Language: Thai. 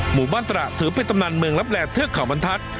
หมู่บ้านตระถือเป็นตำนานเมืองลับแลเทือกเขาบรรทัศน์